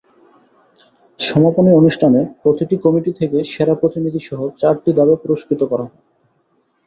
সমাপনী অনুষ্ঠানে প্রতিটি কমিটি থেকে সেরা প্রতিনিধিসহ চারটি ধাপে পুরস্কৃত করা হয়।